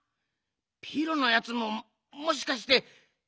ピロのやつももしかして。